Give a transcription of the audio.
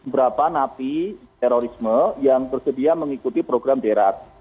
berapa nafis terorisme yang tersedia mengikuti program derad